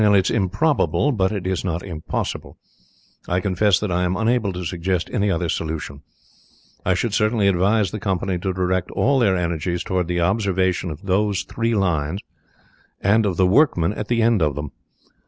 It is improbable, but it is not impossible. I confess that I am unable to suggest any other solution. I should certainly advise the company to direct all their energies towards the observation of those three lines, and of the workmen at the end of them.